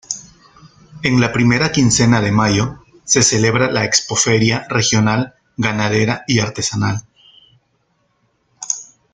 En la primera quincena de mayo, se celebra la Expo-Feria regional, ganadera y artesanal.